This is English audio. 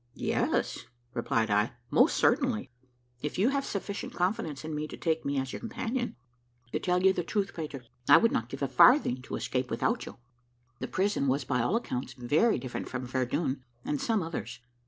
"Yes," replied I, "most certainly, if you have sufficient confidence in me to take me as your companion." "To tell you the truth, Peter, I would not give a farthing to escape without you." The prison was by all accounts very different from Verdun and some others.